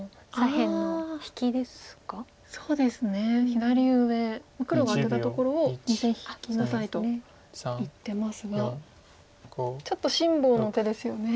左上黒がアテたところを２線引きなさいと言ってますがちょっと辛抱の手ですよね。